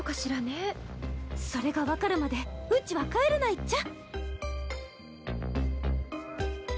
それが分かるまでうちは帰れないっちゃ。